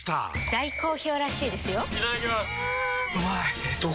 大好評らしいですよんうまい！